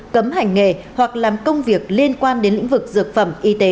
cấm hành nghề hoặc làm công việc liên quan đến lĩnh vực dược phẩm y tế